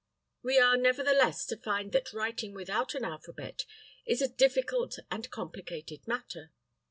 We are nevertheless to find that writing without an alphabet is a difficult and complicated matter.